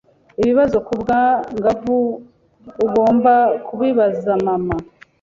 ibibazo ku bwangavu ugomba kubibaza Mama,